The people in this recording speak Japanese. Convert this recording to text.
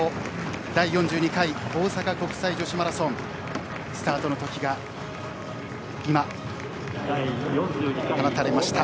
第４２回大阪国際女子マラソンスタートの時が今、放たれました。